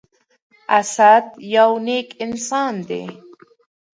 اسد يو نیک انسان دی.